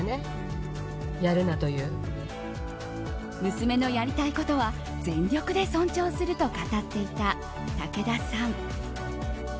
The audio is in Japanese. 娘のやりたいことは全力で尊重すると語っていた武田さん。